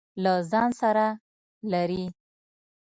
له ځان سره لري.